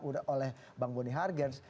oleh bang boni hargens